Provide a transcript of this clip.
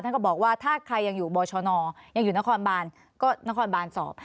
ก็บอกว่าถ้าใครยังอยู่บชนยังอยู่นครบานก็นครบานสอบ